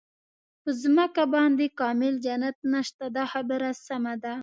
په ځمکه باندې کامل جنت نشته دا خبره سمه ده.